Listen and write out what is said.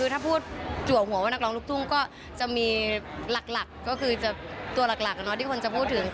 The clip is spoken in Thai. ถ้าพูดจัวหัวว่านักร้องลูกทุ่งก็จะมีหลักก็คือจะตัวหลักที่คนจะพูดถึง